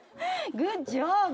グッジョブ。